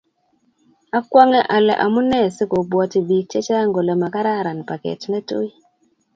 Akwonge ale amunee sikobwoti biik che chang kole makararan paket netuii